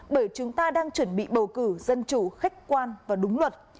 bởi chúng ta đang chuẩn bị bầu cử dân chủ khách quan và đúng luật